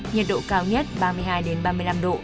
nhiệt độ cao nhất ba mươi hai ba mươi năm độ